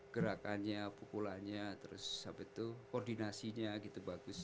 gerakannya pukulannya terus koordinasinya gitu bagus